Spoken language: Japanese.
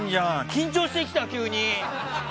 緊張してきた、急に。